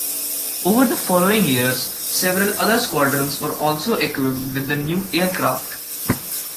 Over the following years, several other squadrons were also equipped with the new aircraft.